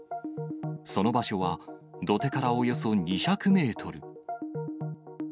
その場所は、土手からおよそ２００メートル。